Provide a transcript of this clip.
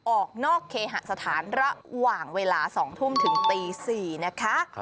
ออกนอกเคหสถานระหว่างเวลา๒ทุ่มถึงตี๔นะคะ